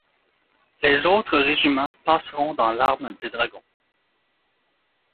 Les autres régiments passeront dans l'arme des dragons.